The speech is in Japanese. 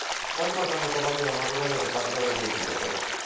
東さんの鞄には間違いなく爆弾が入っていたそうだ。